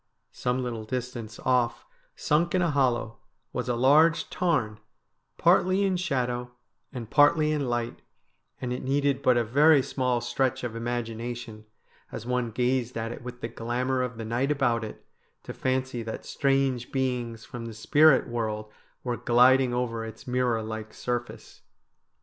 Some little distance off, sunk in a hollow, was a large tarn, partly in shadow and partly in light, 96 STORIES WEIRD AND WONDERFUL and it needed but a very small stretch of imagination, as one gazed at it with the glamour of the night about it, to fancy that strange beings from the spirit world were gliding over its mirror like surface.